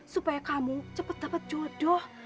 supaya kamu cepet dapat jodoh